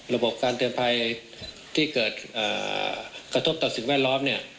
ระบบการเตือนภัยที่เกิดกระทบต่อสิ่งแวดล้อมเนี่ย